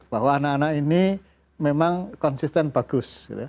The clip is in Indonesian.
bahwa anak anak ini memang konsisten bagus